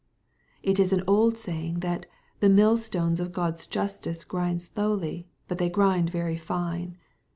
It is an old saying, that " the mill stones of God's justice grind slowly, but they grind very fine.'